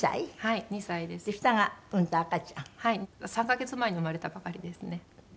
３カ月前に生まれたばかりですね。